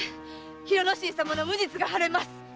広之進様の無実が晴れます！